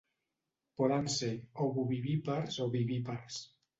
Poden ser ovovivípars o vivípars.